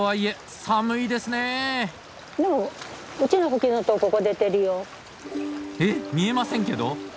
えっ見えませんけど！？